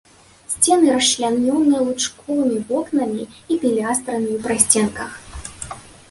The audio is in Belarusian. Сцены расчлянёныя лучковымі вокнамі і пілястрамі ў прасценках.